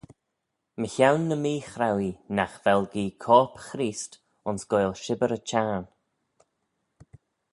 Mychione ny meechrauee nagh vel gee corp Chreest ayns goaill shibbyr y Çhiarn.